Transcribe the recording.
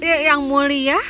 eh yang mulia